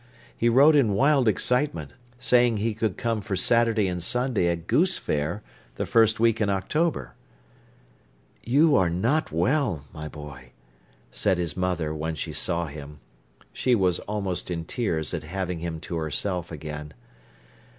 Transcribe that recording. He wrote in wild excitement, saying he could come for Saturday and Sunday at Goose Fair, the first week in October. "You are not well, my boy," said his mother, when she saw him. She was almost in tears at having him to herself again.